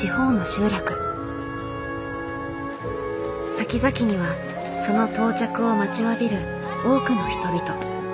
先々にはその到着を待ちわびる多くの人々。